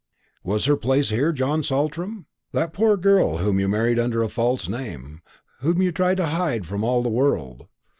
"Was her place here, John Saltram? that poor girl whom you married under a false name, whom you tried to hide from all the world.